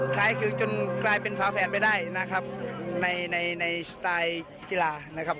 คล้ายคือจนกลายเป็นฟ้าแฟนไปได้นะครับในในสไตล์กีฬานะครับ